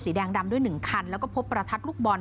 แดงดำด้วย๑คันแล้วก็พบประทัดลูกบอล